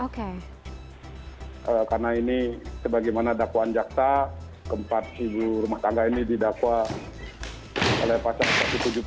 karena ini sebagaimana dakwaan jakta keempat ibu rumah tangga ini didakwa oleh pasar satu ratus tujuh puluh